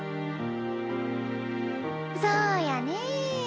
そうやね。